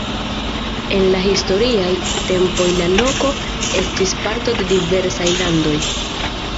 En la historiaj tempoj la loko estis parto de diversaj landoj.